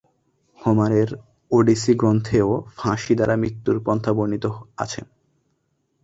হোমারের ওডিসি গ্রন্থেও ফাঁসি দ্বারা মৃত্যুর পন্থা বর্ণিত আছে।